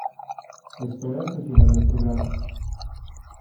Esto es al final del programa.